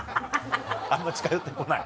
あんま近寄って来ない？